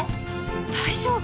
大丈夫？